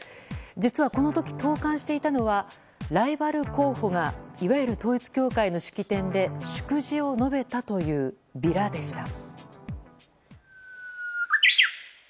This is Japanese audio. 実はこの時、投函していたのはライバル候補がいわゆる統一教会の式典で祝辞を述べたというビラでした。